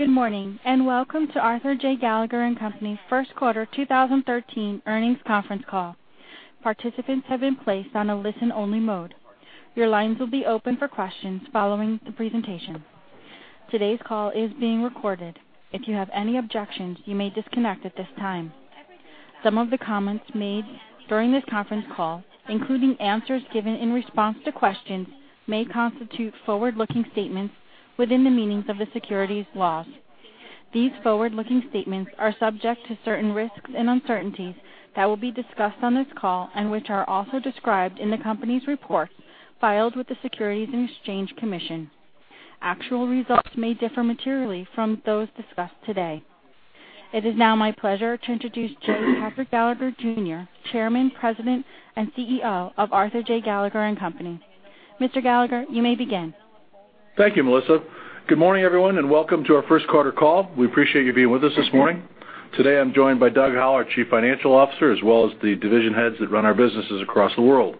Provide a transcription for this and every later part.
Good morning. Welcome to Arthur J. Gallagher & Co. first quarter 2013 earnings conference call. Participants have been placed on a listen-only mode. Your lines will be open for questions following the presentation. Today's call is being recorded. If you have any objections, you may disconnect at this time. Some of the comments made during this conference call, including answers given in response to questions, may constitute forward-looking statements within the meanings of the securities laws. These forward-looking statements are subject to certain risks and uncertainties that will be discussed on this call, which are also described in the company's reports filed with the Securities and Exchange Commission. Actual results may differ materially from those discussed today. It is now my pleasure to introduce J. Patrick Gallagher Jr., Chairman, President, and CEO of Arthur J. Gallagher & Co.. Mr. Gallagher, you may begin. Thank you, Melissa. Good morning, everyone. Welcome to our first quarter call. We appreciate you being with us this morning. Today, I'm joined by Doug Howell, Chief Financial Officer, as well as the division heads that run our businesses across the world.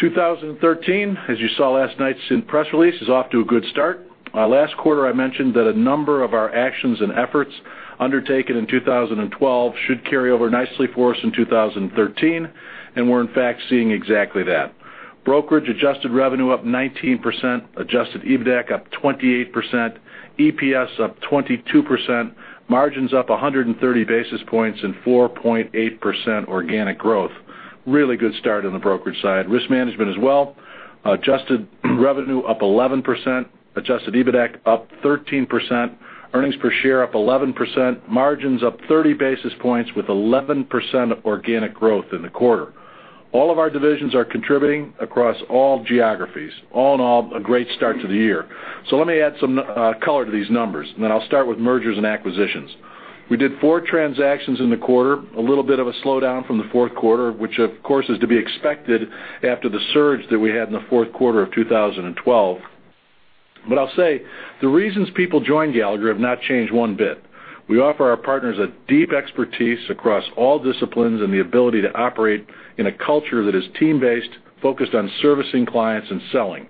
2013, as you saw last night's press release, is off to a good start. Last quarter, I mentioned that a number of our actions and efforts undertaken in 2012 should carry over nicely for us in 2013, we're in fact seeing exactly that. Brokerage adjusted revenue up 19%, adjusted EBITDAC up 28%, EPS up 22%, margins up 130 basis points, 4.8% organic growth. Really good start on the brokerage side. Risk management as well, adjusted revenue up 11%, adjusted EBITDAC up 13%, earnings per share up 11%, margins up 30 basis points with 11% organic growth in the quarter. All of our divisions are contributing across all geographies. All in all, a great start to the year. Let me add some color to these numbers, then I'll start with mergers and acquisitions. We did four transactions in the quarter, a little bit of a slowdown from the fourth quarter, which of course, is to be expected after the surge that we had in the fourth quarter of 2012. I'll say the reasons people join Gallagher have not changed one bit. We offer our partners a deep expertise across all disciplines and the ability to operate in a culture that is team-based, focused on servicing clients and selling.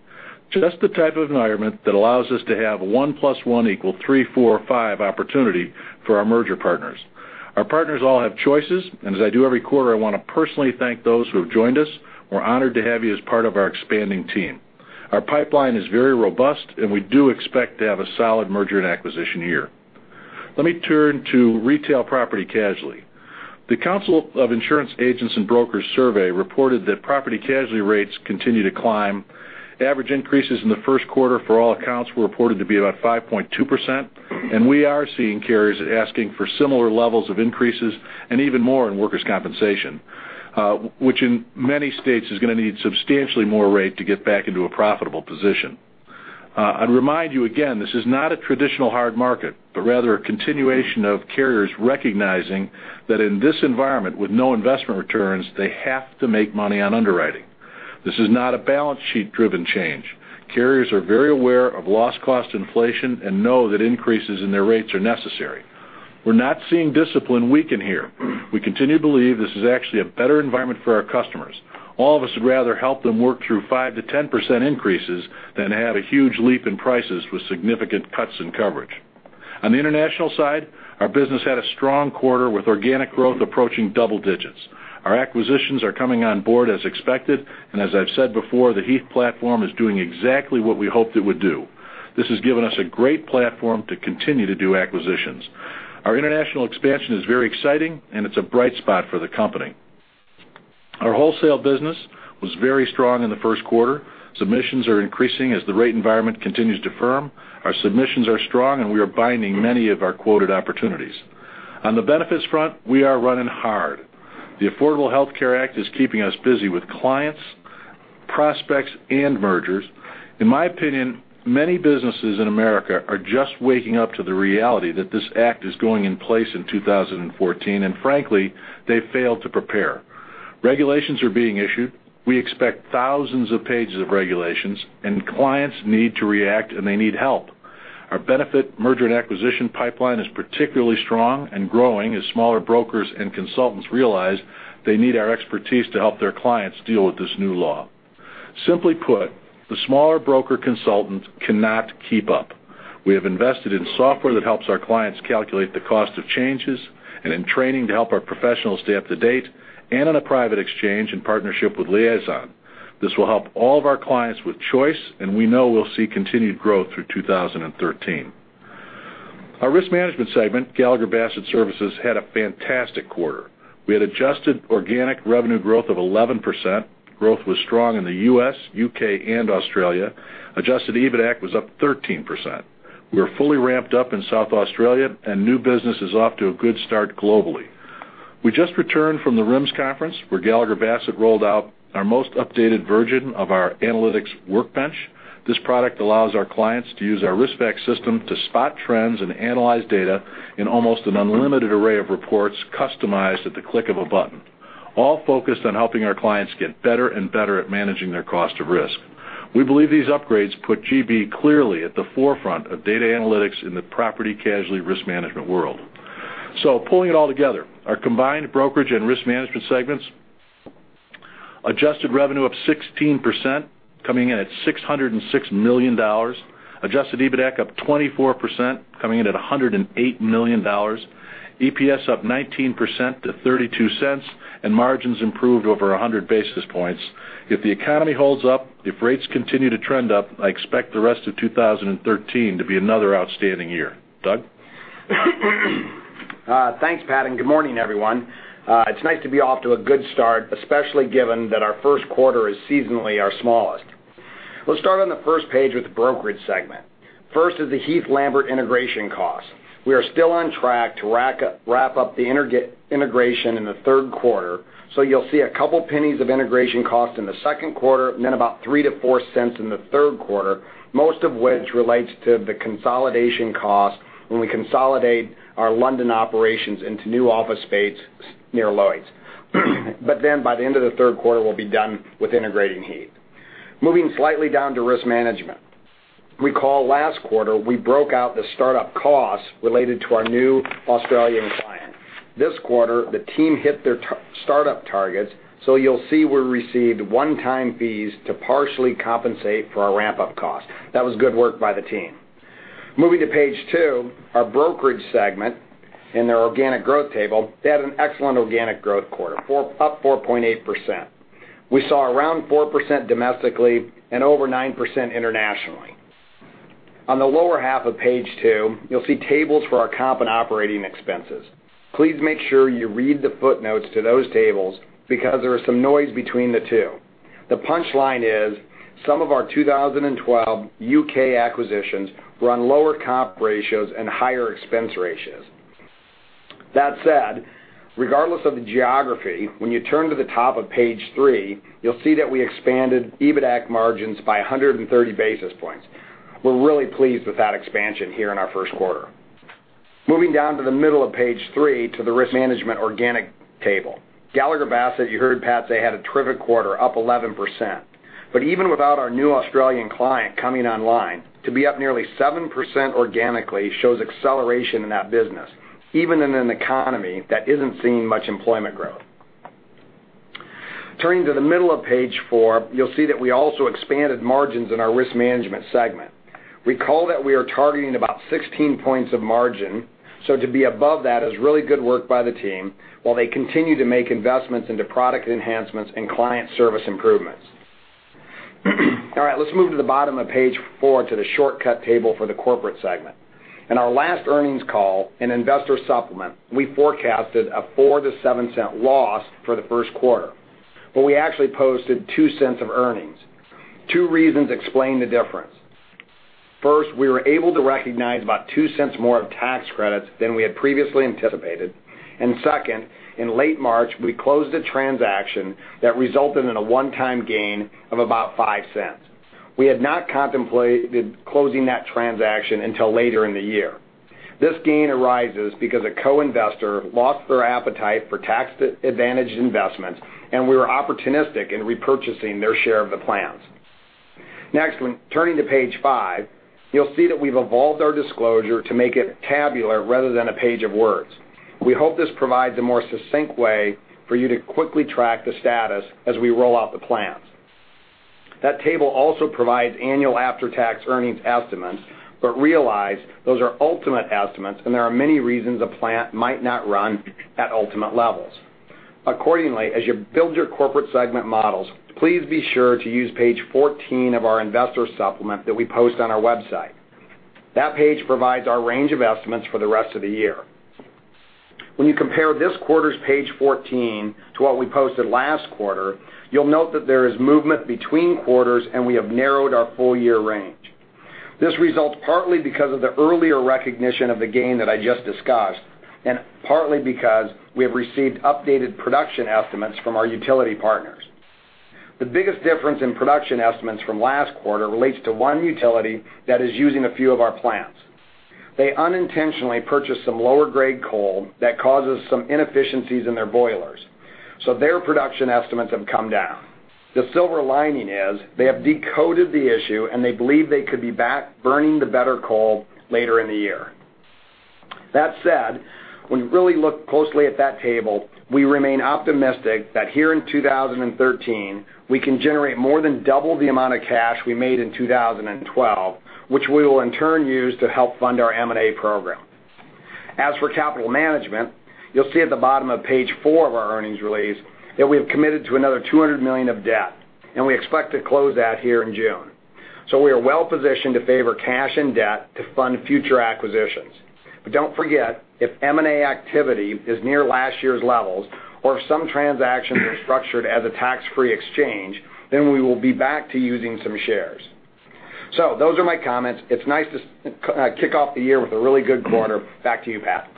Just the type of environment that allows us to have a one plus one equal three, four, five opportunity for our merger partners. Our partners all have choices. As I do every quarter, I want to personally thank those who have joined us. We're honored to have you as part of our expanding team. Our pipeline is very robust, we do expect to have a solid merger and acquisition year. Let me turn to retail property casualty. The Council of Insurance Agents & Brokers survey reported that property casualty rates continue to climb. Average increases in the first quarter for all accounts were reported to be about 5.2%, we are seeing carriers asking for similar levels of increases and even more in workers' compensation, which in many states is going to need substantially more rate to get back into a profitable position. I'd remind you again, this is not a traditional hard market, but rather a continuation of carriers recognizing that in this environment with no investment returns, they have to make money on underwriting. This is not a balance sheet driven change. Carriers are very aware of loss cost inflation and know that increases in their rates are necessary. We're not seeing discipline weaken here. We continue to believe this is actually a better environment for our customers. All of us would rather help them work through 5%-10% increases than have a huge leap in prices with significant cuts in coverage. On the international side, our business had a strong quarter with organic growth approaching double digits. Our acquisitions are coming on board as expected, and as I've said before, the Heath platform is doing exactly what we hoped it would do. This has given us a great platform to continue to do acquisitions. Our international expansion is very exciting. It's a bright spot for the company. Our wholesale business was very strong in the first quarter. Submissions are increasing as the rate environment continues to firm. Our submissions are strong. We are binding many of our quoted opportunities. On the benefits front, we are running hard. The Affordable Care Act is keeping us busy with clients, prospects, and mergers. In my opinion, many businesses in America are just waking up to the reality that this act is going in place in 2014. Frankly, they failed to prepare. Regulations are being issued. We expect thousands of pages of regulations. Clients need to react, and they need help. Our benefit merger and acquisition pipeline is particularly strong and growing as smaller brokers and consultants realize they need our expertise to help their clients deal with this new law. Simply put, the smaller broker consultant cannot keep up. We have invested in software that helps our clients calculate the cost of changes and in training to help our professionals stay up to date and on a private exchange in partnership with Liazon. This will help all of our clients with choice. We know we'll see continued growth through 2013. Our risk management segment, Gallagher Bassett Services, had a fantastic quarter. We had adjusted organic revenue growth of 11%. Growth was strong in the U.S., U.K., and Australia. Adjusted EBITDAC was up 13%. We are fully ramped up in South Australia. New business is off to a good start globally. We just returned from the RIMS conference where Gallagher Bassett rolled out our most updated version of our analytics workbench. This product allows our clients to use our RiskVerX system to spot trends and analyze data in almost an unlimited array of reports customized at the click of a button, all focused on helping our clients get better and better at managing their cost of risk. We believe these upgrades put GB clearly at the forefront of data analytics in the property casualty risk management world. Pulling it all together, our combined brokerage and risk management segments Adjusted revenue up 16%, coming in at $606 million. Adjusted EBITDAC up 24%, coming in at $108 million. EPS up 19% to $0.32. Margins improved over 100 basis points. If the economy holds up, if rates continue to trend up, I expect the rest of 2013 to be another outstanding year. Doug? Thanks, Pat, good morning, everyone. It's nice to be off to a good start, especially given that our first quarter is seasonally our smallest. Let's start on the first page with the Brokerage segment. First is the Heath Lambert integration cost. We are still on track to wrap up the integration in the third quarter, so you'll see $0.02 of integration cost in the second quarter, $0.03-$0.04 in the third quarter, most of which relates to the consolidation cost when we consolidate our London operations into new office space near Lloyd's. By the end of the third quarter, we'll be done with integrating Heath. Moving slightly down to Risk Management. Recall last quarter, we broke out the startup costs related to our new Australian client. This quarter, the team hit their startup targets, you'll see we received one-time fees to partially compensate for our ramp-up cost. That was good work by the team. Moving to page two, our Brokerage segment in their organic growth table, they had an excellent organic growth quarter, up 4.8%. We saw around 4% domestically and over 9% internationally. On the lower half of page two, you'll see tables for our comp and operating expenses. Please make sure you read the footnotes to those tables because there is some noise between the two. The punchline is some of our 2012 U.K. acquisitions were on lower comp ratios and higher expense ratios. That said, regardless of the geography, when you turn to the top of page three, you'll see that we expanded EBITDAC margins by 130 basis points. We're really pleased with that expansion here in our first quarter. Moving down to the middle of page three to the Risk Management organic table. Gallagher Bassett, you heard Pat say, had a terrific quarter, up 11%. Even without our new Australian client coming online, to be up nearly 7% organically shows acceleration in that business, even in an economy that isn't seeing much employment growth. Turning to the middle of page four, you'll see that we also expanded margins in our Risk Management segment. Recall that we are targeting about 16 points of margin, to be above that is really good work by the team while they continue to make investments into product enhancements and client service improvements. All right, let's move to the bottom of page four to the shortcut table for the Corporate segment. In our last earnings call, in the investor supplement, we forecasted a $0.04-$0.07 loss for the first quarter. We actually posted $0.02 of earnings. Two reasons explain the difference. First, we were able to recognize about $0.02 more of tax credits than we had previously anticipated. Second, in late March, we closed a transaction that resulted in a one-time gain of about $0.05. We had not contemplated closing that transaction until later in the year. This gain arises because a co-investor lost their appetite for tax-advantaged investments, and we were opportunistic in repurchasing their share of the plans. Next, when turning to page five, you'll see that we've evolved our disclosure to make it tabular rather than a page of words. We hope this provides a more succinct way for you to quickly track the status as we roll out the plans. That table also provides annual after-tax earnings estimates. Realize those are ultimate estimates, and there are many reasons a plant might not run at ultimate levels. Accordingly, as you build your corporate segment models, please be sure to use page 14 of our investor supplement that we post on our website. That page provides our range of estimates for the rest of the year. When you compare this quarter's page 14 to what we posted last quarter, you'll note that there is movement between quarters and we have narrowed our full year range. This results partly because of the earlier recognition of the gain that I just discussed, and partly because we have received updated production estimates from our utility partners. The biggest difference in production estimates from last quarter relates to one utility that is using a few of our plants. They unintentionally purchased some lower-grade coal that causes some inefficiencies in their boilers. Their production estimates have come down. The silver lining is they have decoded the issue, and they believe they could be back burning the better coal later in the year. That said, when you really look closely at that table, we remain optimistic that here in 2013, we can generate more than double the amount of cash we made in 2012, which we will in turn use to help fund our M&A program. As for capital management, you'll see at the bottom of page four of our earnings release that we have committed to another $200 million of debt. We expect to close that here in June. We are well-positioned to favor cash and debt to fund future acquisitions. Don't forget, if M&A activity is near last year's levels or if some transactions are structured as a tax-free exchange, we will be back to using some shares. Those are my comments. It's nice to kick off the year with a really good quarter. Back to you, Pat.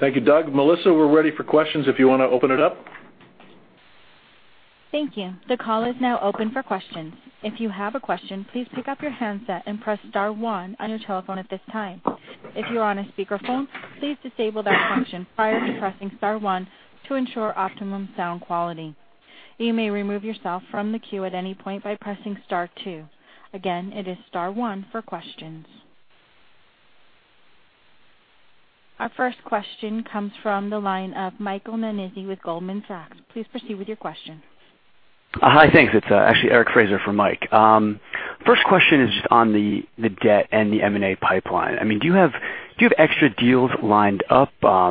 Thank you, Doug. Melissa, we're ready for questions if you want to open it up. Thank you. The call is now open for questions. If you have a question, please pick up your handset and press star one on your telephone at this time. If you are on a speakerphone, please disable that function prior to pressing star one to ensure optimum sound quality. You may remove yourself from the queue at any point by pressing star two. Again, it is star one for questions. Our first question comes from the line of Michael Nannizzi with Goldman Sachs. Please proceed with your question. Hi, thanks. It's actually Eric Fraser for Mike. First question is just on the debt and the M&A pipeline. Do you have extra deals lined up? Are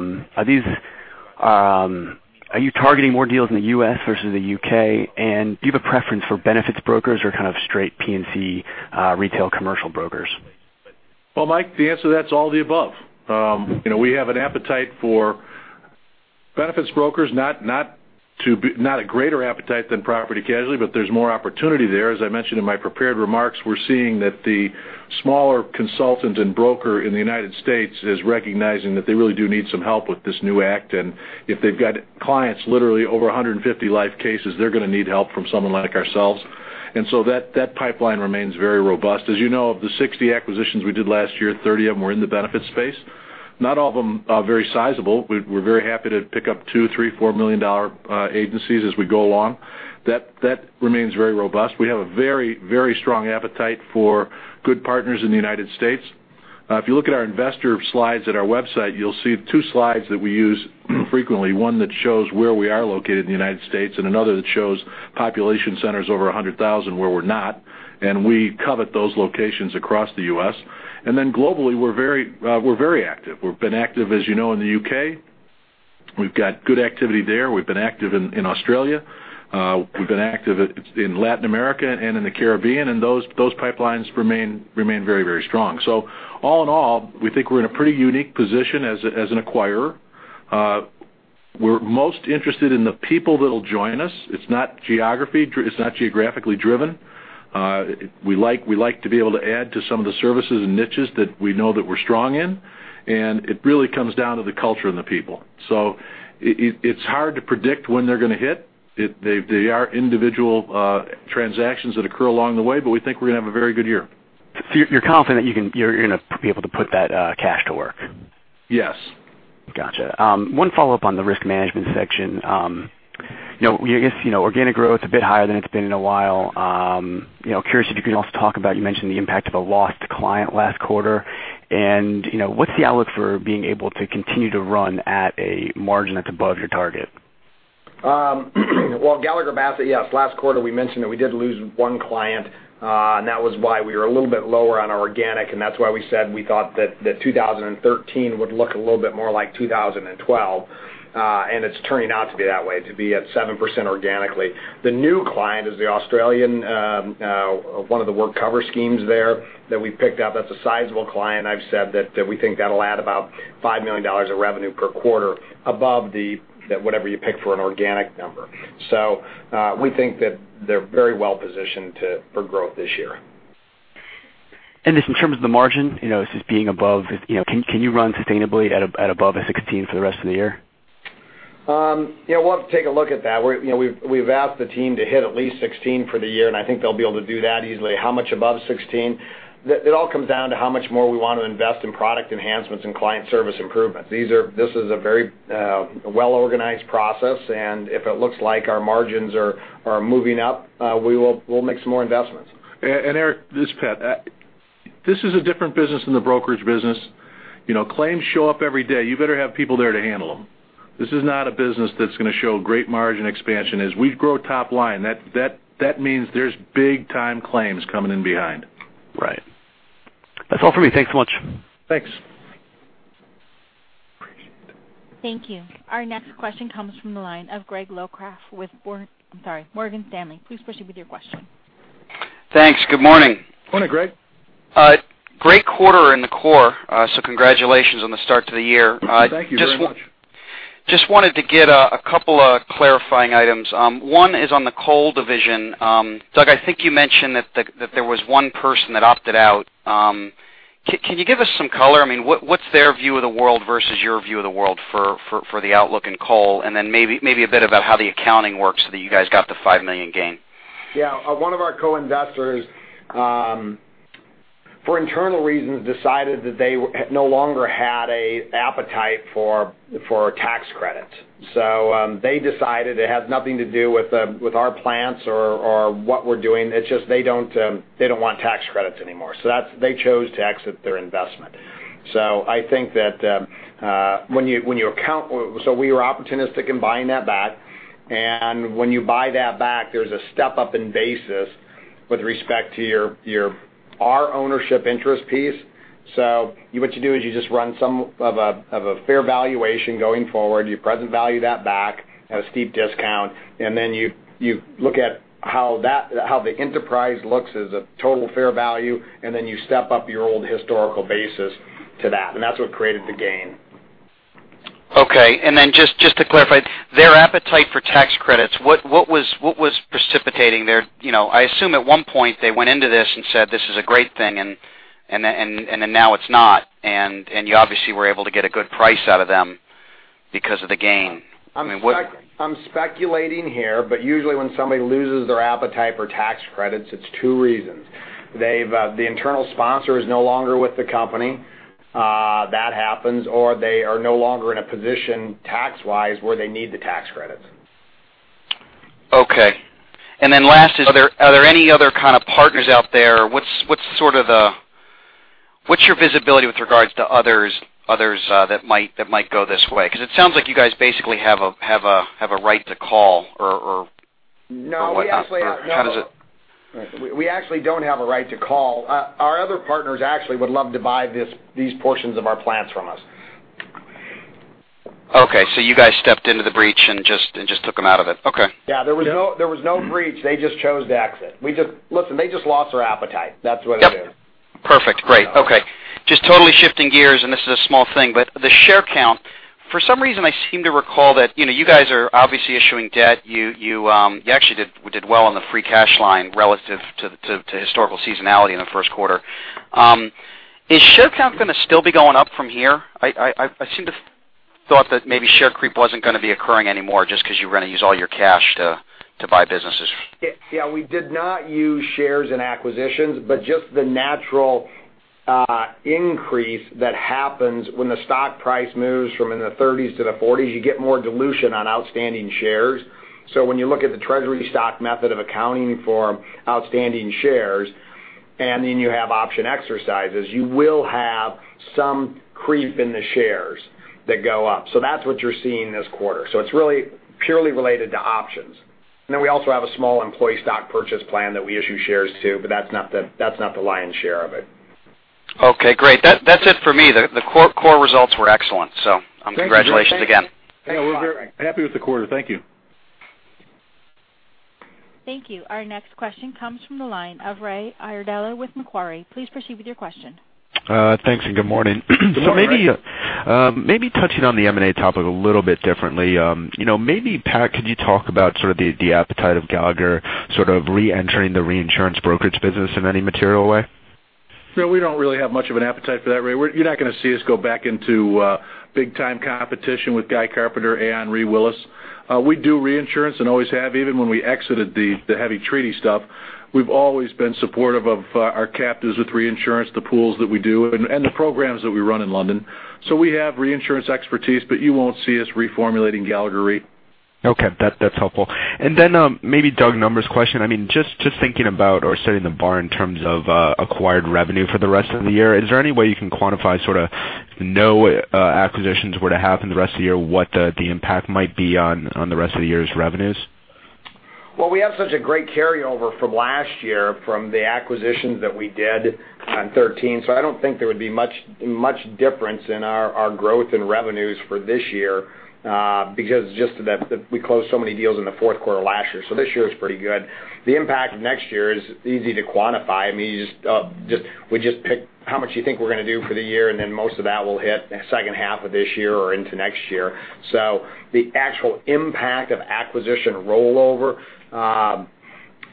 you targeting more deals in the U.S. versus the U.K.? Do you have a preference for benefits brokers or kind of straight P&C retail commercial brokers? Well, Mike, the answer to that is all the above. We have an appetite for benefits brokers, not a greater appetite than property casualty, but there's more opportunity there. As I mentioned in my prepared remarks, we're seeing that the smaller consultant and broker in the U.S. is recognizing that they really do need some help with this new act. If they've got clients, literally over 150 life cases, they're going to need help from someone like ourselves. So that pipeline remains very robust. As you know, of the 60 acquisitions we did last year, 30 of them were in the benefits space. Not all of them are very sizable. We're very happy to pick up $2 million, $3 million, $4 million agencies as we go along. That remains very robust. We have a very strong appetite for good partners in the U.S. If you look at our investor slides at our website, you'll see two slides that we use frequently, one that shows where we are located in the U.S. and another that shows population centers over 100,000 where we're not, and we covet those locations across the U.S. Globally, we're very active. We've been active, as you know, in the U.K. We've got good activity there. We've been active in Australia. We've been active in Latin America and in the Caribbean, and those pipelines remain very strong. All in all, we think we're in a pretty unique position as an acquirer. We're most interested in the people that'll join us. It's not geographically driven. We like to be able to add to some of the services and niches that we know that we're strong in, and it really comes down to the culture and the people. It's hard to predict when they're going to hit. They are individual transactions that occur along the way, we think we're going to have a very good year. You're confident you're going to be able to put that cash to work? Yes. Got you. One follow-up on the risk management section. Organic growth a bit higher than it's been in a while. Curious if you can also talk about, you mentioned the impact of a lost client last quarter. What's the outlook for being able to continue to run at a margin that's above your target? Well, Gallagher Bassett, yes, last quarter, we mentioned that we did lose one client, and that was why we were a little bit lower on our organic, and that's why we said we thought that 2013 would look a little bit more like 2012. It's turning out to be that way, to be at 7% organically. The new client is the Australian, one of the work cover schemes there that we picked up. That's a sizable client. I've said that we think that'll add about $5 million of revenue per quarter above whatever you pick for an organic number. We think that they're very well positioned for growth this year. Just in terms of the margin, just being above, can you run sustainably at above a 16% for the rest of the year? We'll have to take a look at that. We've asked the team to hit at least 16% for the year, and I think they'll be able to do that easily. How much above 16%? It all comes down to how much more we want to invest in product enhancements and client service improvements. This is a very well-organized process, if it looks like our margins are moving up, we'll make some more investments. Eric, this is Pat. This is a different business than the brokerage business. Claims show up every day. You better have people there to handle them. This is not a business that's going to show great margin expansion. As we grow top line, that means there's big time claims coming in behind. Right. That's all for me. Thanks so much. Thanks. Thank you. Our next question comes from the line of Gregory Locraft with Morgan Stanley. Please proceed with your question. Thanks. Good morning. Morning, Greg. Great quarter in the core, so congratulations on the start to the year. Thank you very much. Just wanted to get a couple of clarifying items. One is on the coal division. Doug, I think you mentioned that there was one person that opted out. Can you give us some color? What's their view of the world versus your view of the world for the outlook in coal? Maybe a bit about how the accounting works, so that you guys got the $5 million gain. Yeah. One of our co-investors for internal reasons, decided that they no longer had an appetite for tax credits. They decided it had nothing to do with our plants or what we're doing. It's just they don't want tax credits anymore. They chose to exit their investment. We were opportunistic in buying that back, when you buy that back, there's a step up in basis with respect to our ownership interest piece. What you do is you just run some of a fair valuation going forward, you present value that back at a steep discount, you look at how the enterprise looks as a total fair value, you step up your old historical basis to that's what created the gain. Just to clarify, their appetite for tax credits, what was precipitating there? I assume at one point they went into this and said, "This is a great thing," and then now it is not. You obviously were able to get a good price out of them because of the gain. I am speculating here, but usually when somebody loses their appetite for tax credits, it is two reasons. The internal sponsor is no longer with the company. That happens, or they are no longer in a position tax wise, where they need the tax credits. Okay. Last, are there any other kind of partners out there? What is your visibility with regards to others that might go this way? It sounds like you guys basically have a right to call or whatnot. How does it? No, we actually do not have a right to call. Our other partners actually would love to buy these portions of our plants from us. Okay. You guys stepped into the breach and just took them out of it. Okay. Yeah. There was no breach. They just chose to exit. Listen, they just lost their appetite. That's what it is. Yep. Perfect. Great. Okay. Just totally shifting gears, and this is a small thing, but the share count, for some reason, I seem to recall that you guys are obviously issuing debt. You actually did well on the free cash line relative to historical seasonality in the first quarter. Is share count going to still be going up from here? I seem to thought that maybe share creep wasn't going to be occurring anymore just because you were going to use all your cash to buy businesses. Yeah. We did not use shares and acquisitions, but just the natural increase that happens when the stock price moves from in the 30s to the 40s, you get more dilution on outstanding shares. When you look at the treasury stock method of accounting for outstanding shares, and then you have option exercises, you will have some creep in the shares that go up. That's what you're seeing this quarter. It's really purely related to options. Then we also have a small employee stock purchase plan that we issue shares to, but that's not the lion's share of it. Okay, great. That's it for me. The core results were excellent. Congratulations again. Thank you. Yeah, we're very happy with the quarter. Thank you. Thank you. Our next question comes from the line of Raymond Iardella with Macquarie. Please proceed with your question. Thanks. Good morning. Good morning. Maybe touching on the M&A topic a little bit differently. Maybe Pat, could you talk about sort of the appetite of Gallagher sort of reentering the reinsurance brokerage business in any material way? No, we don't really have much of an appetite for that, Ray. You're not going to see us go back into big-time competition with Guy Carpenter, Aon, Willis Re. We do reinsurance and always have, even when we exited the heavy treaty stuff. We've always been supportive of our captives with reinsurance, the pools that we do, and the programs that we run in London. We have reinsurance expertise, but you won't see us reformulating Gallagher Re. Okay. That's helpful. Maybe Doug, numbers question. Just thinking about or setting the bar in terms of acquired revenue for the rest of the year, is there any way you can quantify sort of no acquisitions were to happen the rest of the year, what the impact might be on the rest of the year's revenues? We have such a great carryover from last year from the acquisitions that we did on 2013. I don't think there would be much difference in our growth in revenues for this year, because just that we closed so many deals in the fourth quarter of last year. This year is pretty good. The impact of next year is easy to quantify. We just pick how much you think we're going to do for the year, most of that will hit the second half of this year or into next year. The actual impact of acquisition rollover,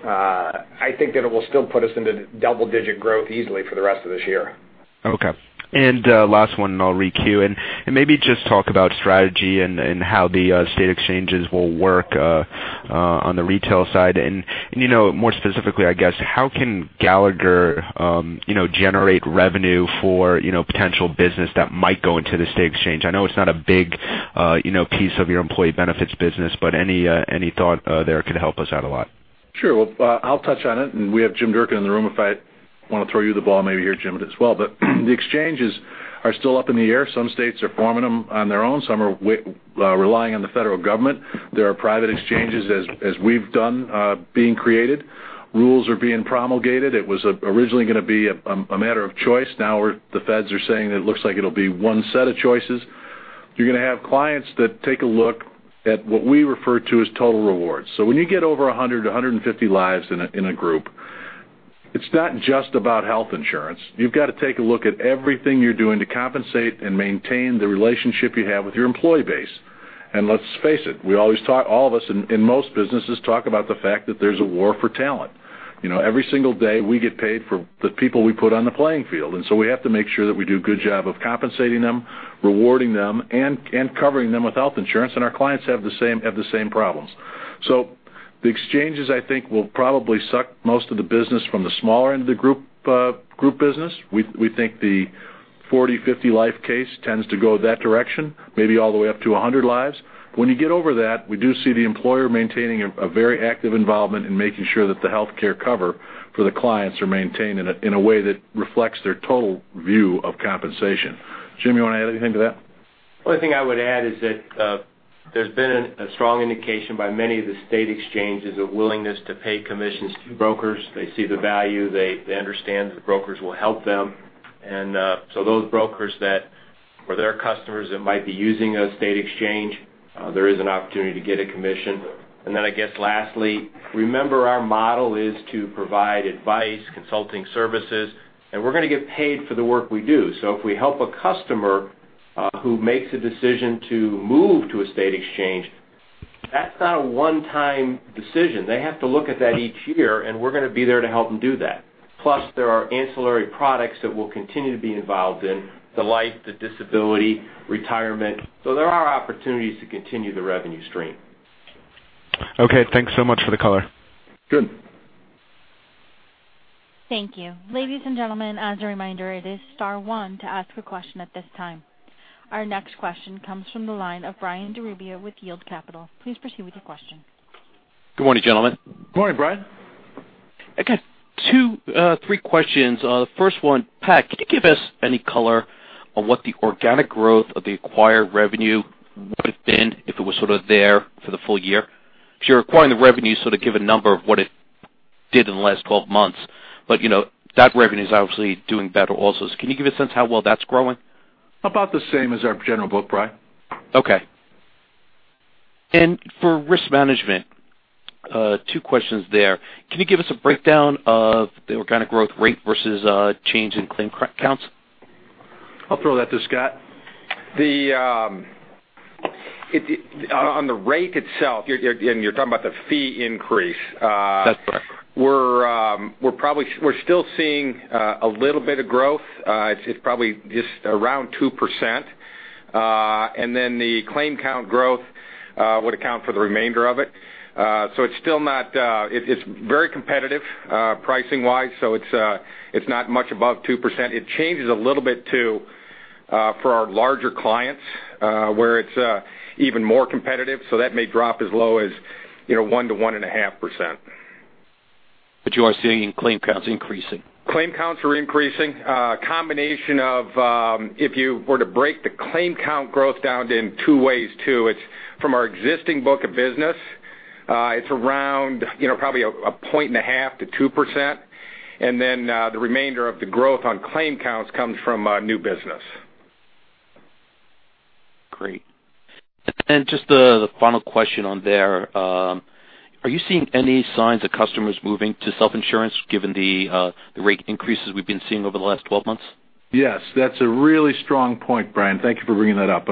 I think that it will still put us into double-digit growth easily for the rest of this year. Okay. Last one, I'll re-queue. Maybe just talk about strategy and how the state exchanges will work on the retail side. More specifically, I guess, how can Gallagher generate revenue for potential business that might go into the state exchange? I know it's not a big piece of your employee benefits business, any thought there could help us out a lot. Sure. I'll touch on it, we have Jim Durkin in the room if I want to throw you the ball maybe here, Jim, as well. The exchanges are still up in the air. Some states are forming them on their own. Some are relying on the federal government. There are private exchanges, as we've done, being created. Rules are being promulgated. It was originally going to be a matter of choice. Now the feds are saying that it looks like it'll be one set of choices. You're going to have clients that take a look at what we refer to as total rewards. When you get over 100-150 lives in a group, it's not just about health insurance. You've got to take a look at everything you're doing to compensate and maintain the relationship you have with your employee base. Let's face it, all of us in most businesses talk about the fact that there's a war for talent. Every single day, we get paid for the people we put on the playing field. We have to make sure that we do a good job of compensating them, rewarding them, and covering them with health insurance, and our clients have the same problems. The exchanges, I think, will probably suck most of the business from the smaller end of the group business. We think the 40, 50 life case tends to go that direction, maybe all the way up to 100 lives. When you get over that, we do see the employer maintaining a very active involvement in making sure that the healthcare cover for the clients are maintained in a way that reflects their total view of compensation. Jim, you want to add anything to that? Only thing I would add is that there's been a strong indication by many of the state exchanges of willingness to pay commissions to brokers. They see the value. They understand the brokers will help them. Those brokers that for their customers that might be using a state exchange, there is an opportunity to get a commission. I guess lastly, remember our model is to provide advice, consulting services, and we're going to get paid for the work we do. If we help a customer who makes a decision to move to a state exchange, that's not a one-time decision. They have to look at that each year, and we're going to be there to help them do that. Plus, there are ancillary products that we'll continue to be involved in, the life, the disability, retirement. There are opportunities to continue the revenue stream. Okay. Thanks so much for the color. Good. Thank you. Ladies and gentlemen, as a reminder, it is star one to ask a question at this time. Our next question comes from the line of Brian DiRubio with Yield Capital. Please proceed with your question. Good morning, gentlemen. Good morning, Brian. I got three questions. The first one, Pat, could you give us any color on what the organic growth of the acquired revenue would have been if it was sort of there for the full year? Because you're acquiring the revenue, so to give a number of what it did in the last 12 months, but that revenue is obviously doing better also. Can you give a sense how well that's growing? About the same as our general book, Brian. Okay. For risk management, two questions there. Can you give us a breakdown of the organic growth rate versus change in claim counts? I'll throw that to Scott. On the rate itself, you're talking about the fee increase. That's correct We're still seeing a little bit of growth. It's probably just around 2%. The claim count growth would account for the remainder of it. It's very competitive pricing wise, it's not much above 2%. It changes a little bit too for our larger clients, where it's even more competitive, that may drop as low as 1%-1.5%. You are seeing claim counts increasing? Claim counts are increasing. A combination of, if you were to break the claim count growth down in two ways too, it's from our existing book of business, it's around probably 1.5%-2%. The remainder of the growth on claim counts comes from new business. Great. Just the final question on there. Are you seeing any signs of customers moving to self-insurance given the rate increases we've been seeing over the last 12 months? Yes, that's a really strong point, Brian. Thank you for bringing that up.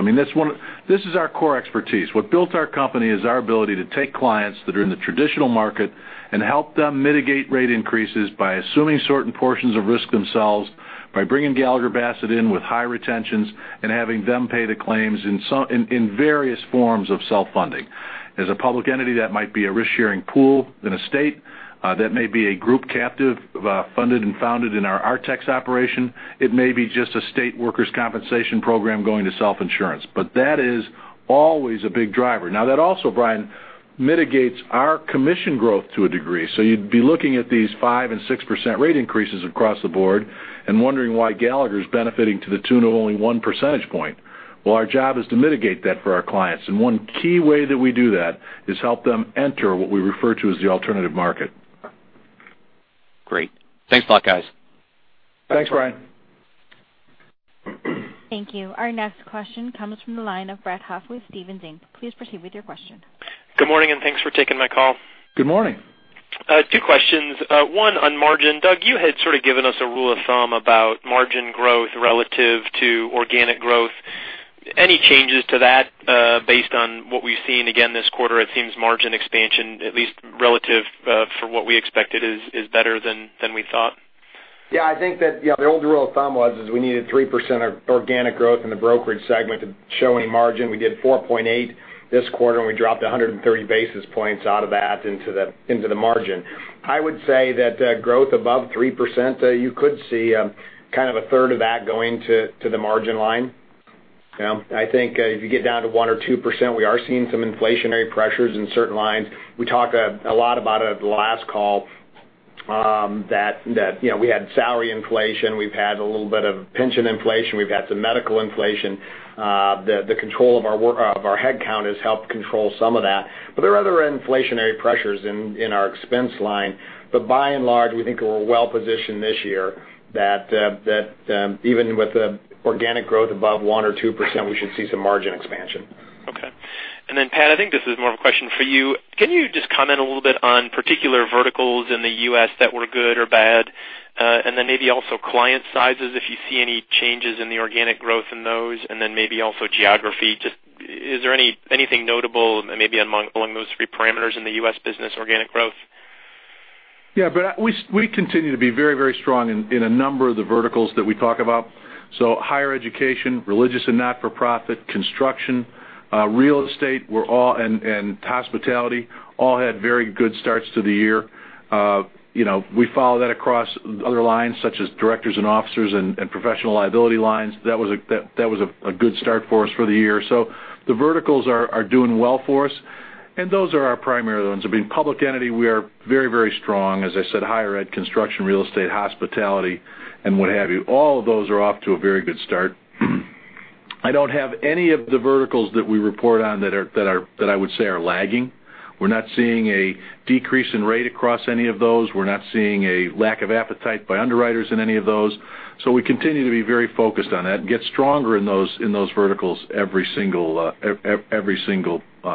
This is our core expertise. What built our company is our ability to take clients that are in the traditional market and help them mitigate rate increases by assuming certain portions of risk themselves, by bringing Gallagher Bassett in with high retentions and having them pay the claims in various forms of self-funding. As a public entity, that might be a risk-sharing pool in a state, that may be a group captive funded and founded in our Artex operation. It may be just a state workers' compensation program going to self-insurance. That is always a big driver. Now, that also, Brian, mitigates our commission growth to a degree. You'd be looking at these 5% and 6% rate increases across the board and wondering why Gallagher is benefiting to the tune of only one percentage point. Our job is to mitigate that for our clients. One key way that we do that is help them enter what we refer to as the alternative market. Great. Thanks a lot, guys. Thanks, Brian. Thank you. Our next question comes from the line of Brett Huff with Stephens Inc. Please proceed with your question. Good morning. Thanks for taking my call. Good morning. Two questions. One on margin. Doug, you had sort of given us a rule of thumb about margin growth relative to organic growth. Any changes to that based on what we've seen again this quarter? It seems margin expansion, at least relative for what we expected, is better than we thought. I think that the old rule of thumb was, is we needed 3% organic growth in the brokerage segment to show any margin. We did 4.8% this quarter, and we dropped 130 basis points out of that into the margin. I would say that growth above 3%, you could see kind of a third of that going to the margin line. I think if you get down to 1% or 2%, we are seeing some inflationary pressures in certain lines. We talked a lot about at the last call that we had salary inflation. We've had a little bit of pension inflation. We've had some medical inflation. The control of our headcount has helped control some of that. There are other inflationary pressures in our expense line. By and large, we think we're well positioned this year that even with the organic growth above 1% or 2%, we should see some margin expansion. Okay. Pat, I think this is more of a question for you. Can you just comment a little bit on particular verticals in the U.S. that were good or bad? Maybe also client sizes, if you see any changes in the organic growth in those, maybe also geography. Is there anything notable maybe among those three parameters in the U.S. business organic growth? Brett, we continue to be very strong in a number of the verticals that we talk about. Higher education, religious and not-for-profit, construction, real estate and hospitality all had very good starts to the year. We follow that across other lines, such as directors and officers and professional liability lines. That was a good start for us for the year. The verticals are doing well for us, and those are our primary ones. I mean, public entity, we are very strong, as I said, higher ed, construction, real estate, hospitality, and what have you. All of those are off to a very good start. I don't have any of the verticals that we report on that I would say are lagging. We're not seeing a decrease in rate across any of those. We're not seeing a lack of appetite by underwriters in any of those. We continue to be very focused on that and get stronger in those verticals every single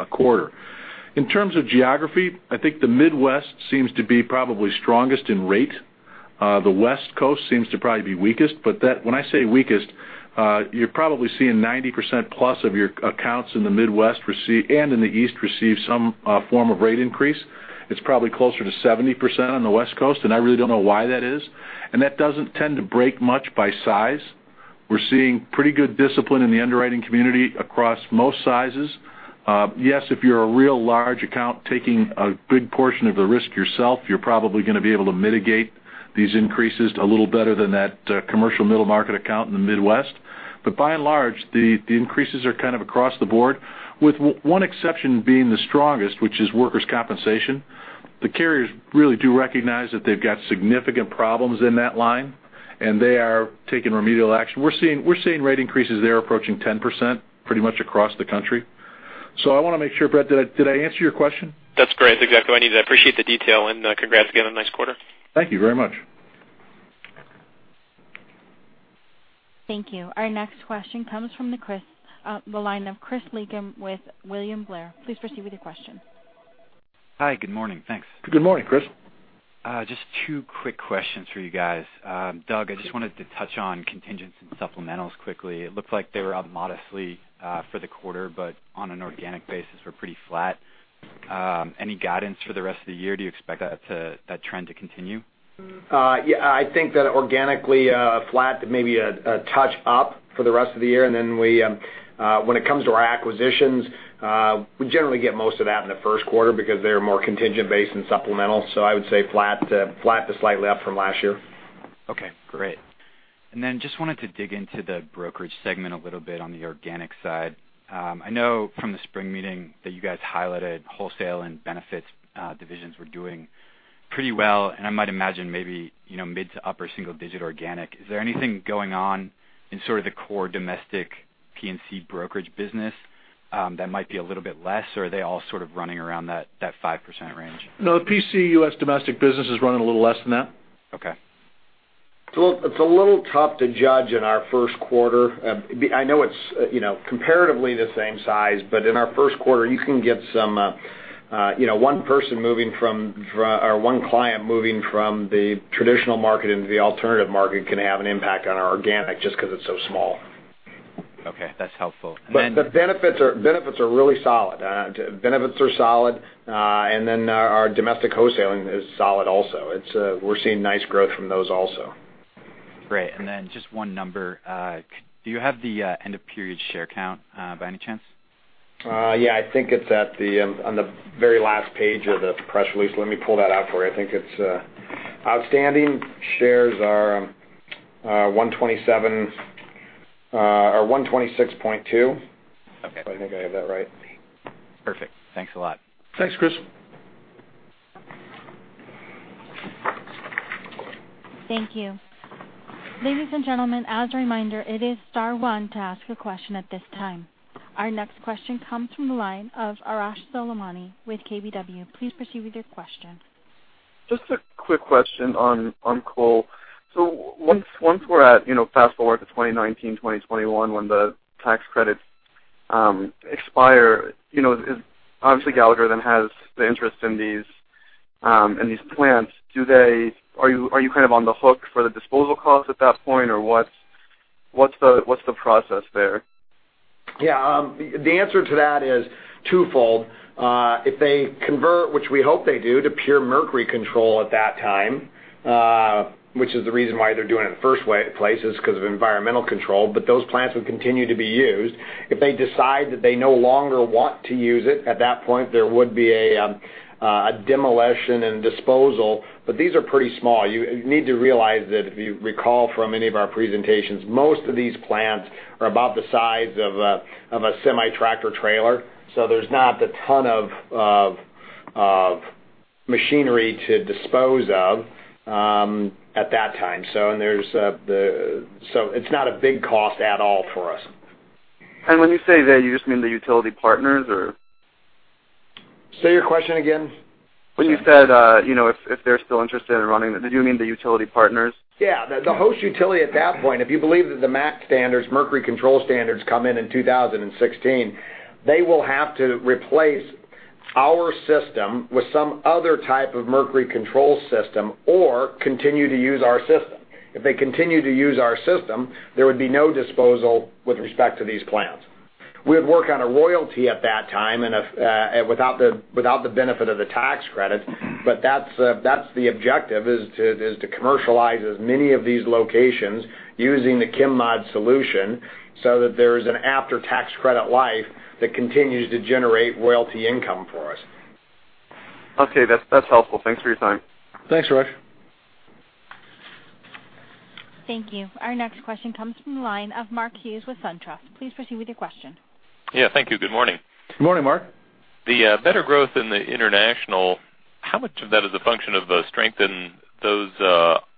quarter. In terms of geography, I think the Midwest seems to be probably strongest in rate. The West Coast seems to probably be weakest, but when I say weakest, you're probably seeing 90%+ of your accounts in the Midwest and in the East receive some form of rate increase. It's probably closer to 70% on the West Coast. I really don't know why that is. That doesn't tend to break much by size. We're seeing pretty good discipline in the underwriting community across most sizes. Yes, if you're a real large account taking a good portion of the risk yourself, you're probably going to be able to mitigate these increases a little better than that commercial middle market account in the Midwest. By and large, the increases are kind of across the board, with one exception being the strongest, which is workers' compensation. The carriers really do recognize that they've got significant problems in that line, and they are taking remedial action. We're seeing rate increases there approaching 10% pretty much across the country. I want to make sure, Brett, did I answer your question? That's great. It's exactly what I need. I appreciate the detail and congrats again on a nice quarter. Thank you very much. Thank you. Our next question comes from the line of Chris Shutler with William Blair. Please proceed with your question. Hi, good morning. Thanks. Good morning, Chris. Just two quick questions for you guys. Doug, I just wanted to touch on contingents and supplementals quickly. It looked like they were up modestly for the quarter, but on an organic basis, we are pretty flat. Any guidance for the rest of the year? Do you expect that trend to continue? Yeah, I think that organically, flat to maybe a touch up for the rest of the year. When it comes to our acquisitions, we generally get most of that in the first quarter because they are more contingent based and supplemental. I would say flat to slightly up from last year. Okay, great. Just wanted to dig into the brokerage segment a little bit on the organic side. I know from the spring meeting that you guys highlighted wholesale and benefits divisions were doing pretty well, and I might imagine maybe mid to upper single digit organic. Is there anything going on in sort of the core domestic P&C brokerage business that might be a little bit less, or are they all sort of running around that 5% range? No, PC U.S. domestic business is running a little less than that. Okay. It's a little tough to judge in our first quarter. I know it's comparatively the same size, but in our first quarter, you can get one person moving from, or one client moving from the traditional market into the alternative market can have an impact on our organic, just because it's so small. Okay, that's helpful. Benefits are really solid. Benefits are solid, and then our domestic wholesaling is solid also. We're seeing nice growth from those also. Great. Just one number. Do you have the end of period share count, by any chance? Yeah, I think it's on the very last page of the press release. Let me pull that out for you. I think it's outstanding shares are 127 or 126.2. Okay. I think I have that right. Perfect. Thanks a lot. Thanks, Chris. Thank you. Ladies and gentlemen, as a reminder, it is star one to ask a question at this time. Our next question comes from the line of Arash Soleimani with KBW. Please proceed with your question. Just a quick question on coal. Once we're at fast-forward to 2019, 2021, when the tax credits expire, obviously Gallagher then has the interest in these plants. Are you kind of on the hook for the disposal costs at that point, or what's the process there? Yeah. The answer to that is twofold. If they convert, which we hope they do, to pure mercury control at that time, which is the reason why they're doing it in the first place, is because of environmental control, but those plants would continue to be used. If they decide that they no longer want to use it, at that point, there would be a demolition and disposal. These are pretty small. You need to realize that if you recall from any of our presentations, most of these plants are about the size of a semi tractor trailer. There's not a ton of machinery to dispose of at that time. It's not a big cost at all for us. When you say they, you just mean the utility partners, or? Say your question again. When you said if they're still interested in running, did you mean the utility partners? Yeah. The host utility at that point, if you believe that the MACT standards, mercury control standards, come in in 2016, they will have to replace our system with some other type of mercury control system or continue to use our system. If they continue to use our system, there would be no disposal with respect to these plants. We would work on a royalty at that time and without the benefit of the tax credit, but that's the objective, is to commercialize as many of these locations using the ChemMod solution so that there is an after-tax credit life that continues to generate royalty income for us. Okay. That's helpful. Thanks for your time. Thanks, Arash. Thank you. Our next question comes from the line of Mark Hughes with SunTrust. Please proceed with your question. Yeah, thank you. Good morning. Good morning, Mark. The better growth in the international, how much of that is a function of the strength in those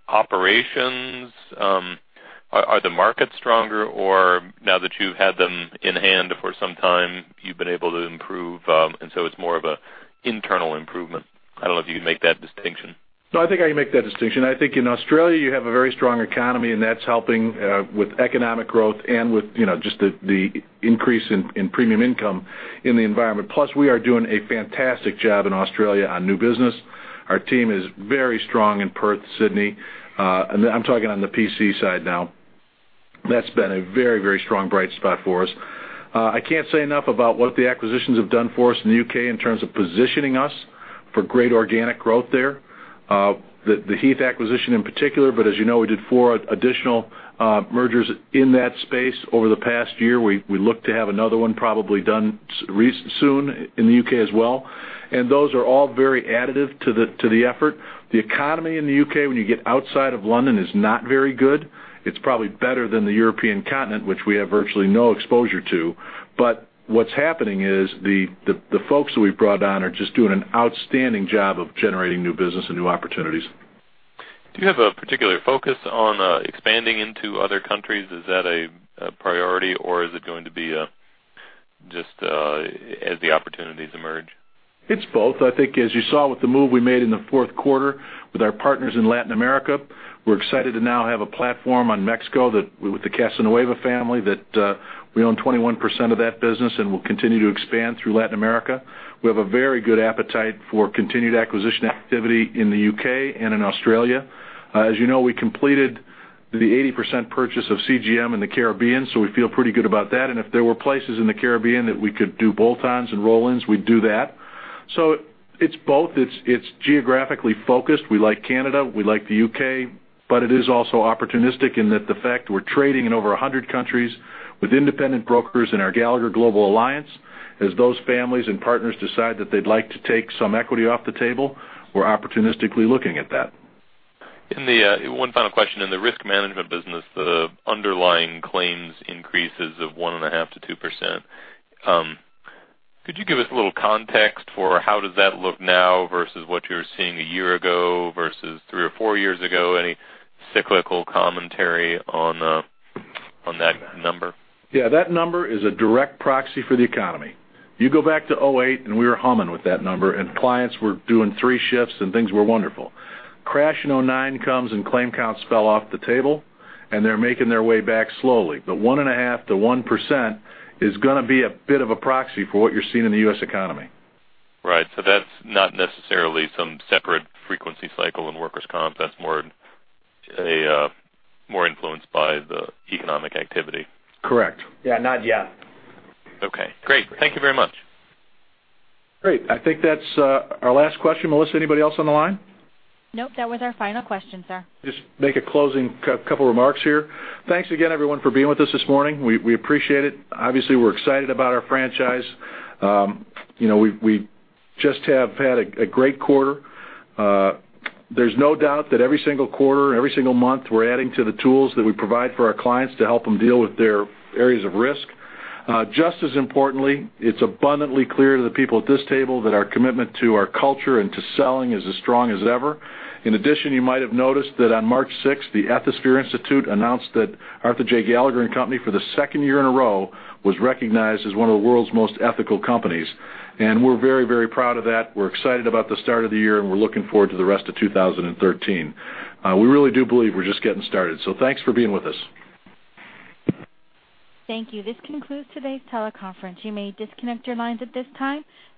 operations? Are the markets stronger, or now that you've had them in hand for some time, you've been able to improve, and so it's more of an internal improvement? I don't know if you can make that distinction. No, I think I can make that distinction. I think in Australia, you have a very strong economy, and that's helping with economic growth and with just the increase in premium income in the environment. Plus, we are doing a fantastic job in Australia on new business. Our team is very strong in Perth, Sydney. I'm talking on the PC side now. That's been a very strong, bright spot for us. I can't say enough about what the acquisitions have done for us in the U.K. in terms of positioning us for great organic growth there. The Heath acquisition in particular, but as you know, we did four additional mergers in that space over the past year. We look to have another one probably done soon in the U.K. as well. Those are all very additive to the effort. The economy in the U.K., when you get outside of London, is not very good. It's probably better than the European continent, which we have virtually no exposure to. What's happening is the folks who we've brought on are just doing an outstanding job of generating new business and new opportunities. Do you have a particular focus on expanding into other countries? Is that a priority, or is it going to be just as the opportunities emerge? It's both. I think as you saw with the move we made in the fourth quarter with our partners in Latin America, we're excited to now have a platform on Mexico with the Casanueva family, that we own 21% of that business and will continue to expand through Latin America. We have a very good appetite for continued acquisition activity in the U.K. and in Australia. As you know, we completed the 80% purchase of CGM in the Caribbean, so we feel pretty good about that. If there were places in the Caribbean that we could do bolt-ons and roll-ins, we'd do that. It's both. It's geographically focused. We like Canada, we like the U.K., but it is also opportunistic in that the fact we're trading in over 100 countries with independent brokers in our Gallagher Global Network. As those families and partners decide that they'd like to take some equity off the table, we're opportunistically looking at that. One final question. In the risk management business, the underlying claims increases of 1.5% to 2%. Could you give us a little context for how does that look now versus what you were seeing a year ago versus three or four years ago? Any cyclical commentary on that number? Yeah, that number is a direct proxy for the economy. You go back to 2008, we were humming with that number, clients were doing three shifts and things were wonderful. Crash in 2009 comes, claim counts fell off the table, and they're making their way back slowly. 1.5% to 1% is going to be a bit of a proxy for what you're seeing in the U.S. economy. Right. That's not necessarily some separate frequency cycle in workers' comp. That's more influenced by the economic activity. Correct. Yeah, not yet. Okay, great. Thank you very much. Great. I think that's our last question, Melissa. Anybody else on the line? Nope. That was our final question, sir. Just make a closing couple remarks here. Thanks again, everyone, for being with us this morning. We appreciate it. Obviously, we're excited about our franchise. We just have had a great quarter. There's no doubt that every single quarter and every single month, we're adding to the tools that we provide for our clients to help them deal with their areas of risk. Just as importantly, it's abundantly clear to the people at this table that our commitment to our culture and to selling is as strong as ever. In addition, you might have noticed that on March 6th, the Ethisphere Institute announced that Arthur J. Gallagher & Company for the second year in a row, was recognized as one of the world's most ethical companies. We're very proud of that. We're excited about the start of the year, and we're looking forward to the rest of 2013. We really do believe we're just getting started. Thanks for being with us. Thank you. This concludes today's teleconference. You may disconnect your lines at this time. Thank you.